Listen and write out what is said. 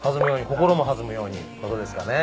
心も弾むようにってことですかね。